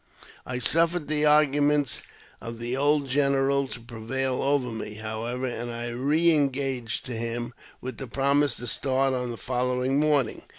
I suffered the arguments of the old general to prevail over me, however, and I re engaged to him, with the promise to start on the following morning.